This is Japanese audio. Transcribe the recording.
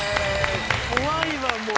怖いわもう。